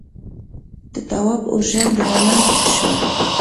د تواب اوږه درنه شوه.